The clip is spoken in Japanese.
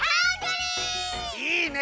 いいね。